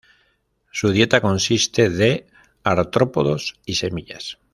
Su dieta consiste de artrópodos y semillas.